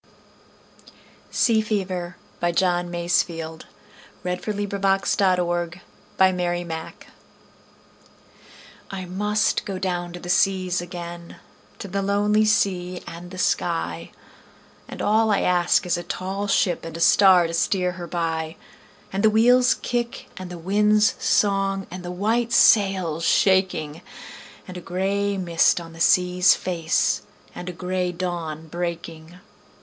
. C D . E F . G H . I J . K L . M N . O P . Q R . S T . U V . W X . Y Z Sea Fever I MUST down to the seas again, to the lonely sea and the sky, And all I ask is a tall ship and a star to steer her by, And the wheel's kick and the wind's song and the white sail's shaking, And a gray mist on the sea's face, and a gray dawn breaking.